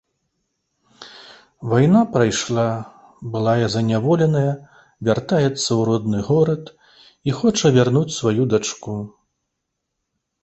Вайна прайшла, былая зняволеная вяртаецца ў родны горад і хоча вярнуць сваю дачку.